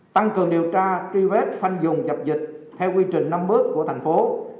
tăng cường điều tra tri vết phanh dùng dập dịch theo quy trình năm bước của thành phố